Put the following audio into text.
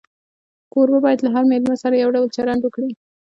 کوربه باید له هر مېلمه سره یو ډول چلند وکړي.